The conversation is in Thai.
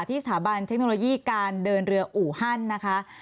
สถาบันเทคโนโลยีการเดินเรืออู่ฮั่นนะคะ